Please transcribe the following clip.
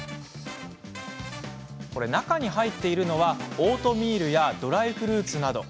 中に入っているのはオートミールやドライフルーツなど。